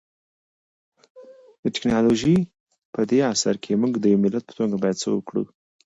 د ټکنالوژۍ پدې عصر کي مونږ د يو ملت په توګه بايد څه وکړو؟